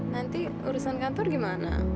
nanti urusan kantor gimana